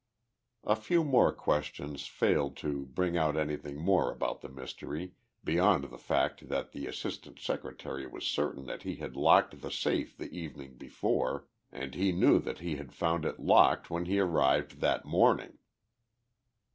A few more questions failed to bring out anything more about the mystery beyond the fact that the Assistant Secretary was certain that he had locked the safe the evening before and he knew that he had found it locked when he arrived that morning.